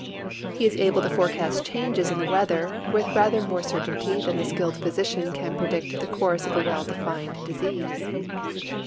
He is able to forecast changes in the weather with rather more certainty than the skilled physician can predict the course of a well defined disease.